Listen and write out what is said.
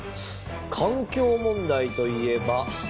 環境問題といえば。